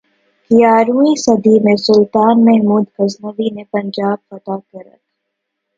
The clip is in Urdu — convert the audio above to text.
گیارہویں صدی میں سلطان محمود غزنوی نے پنجاب فتح کرک